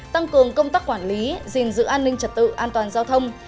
tăng cường công tác quản lý gìn giữ an ninh trật tự an toàn giao thông